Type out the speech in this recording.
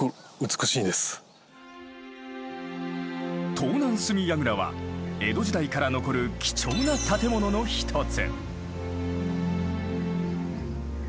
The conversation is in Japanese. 東南隅櫓は江戸時代から残る貴重な建物の一つ。